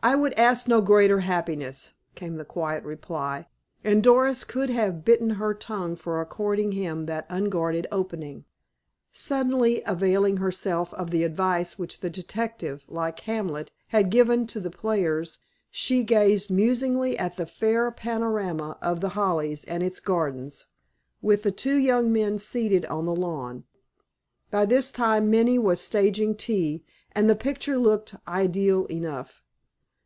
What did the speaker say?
"I would ask no greater happiness," came the quiet reply, and Doris could have bitten her tongue for according him that unguarded opening. Suddenly availing herself of the advice which the detective, like Hamlet, had given to the players, she gazed musingly at the fair panorama of The Hollies and its gardens, with the two young men seated on the lawn. By this time Minnie was staging tea, and the picture looked idyllic enough.